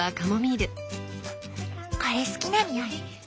これ好きな匂い。